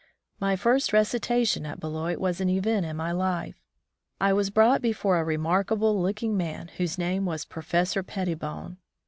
My first recitation at Beloit was an event in my life. I was brought before a remark able looking man whose name was Professor Pettibone.